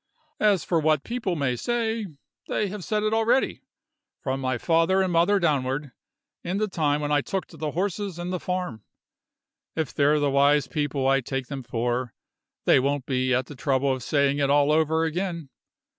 As for what people may say, they have said it already, from my father and mother downward, in the time when I took to the horses and the farm. If they're the wise people I take them for, they won't be at the trouble of saying it all over again.